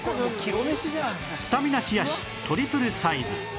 スタミナ冷やしトリプルサイズ